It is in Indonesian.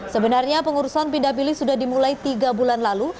sebenarnya pengurusan pindah pilih sudah dimulai tiga bulan lalu